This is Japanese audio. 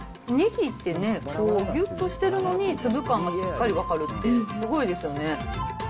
握ってね、ぎゅっとしてるのに、粒感が分かるってすごいですよね。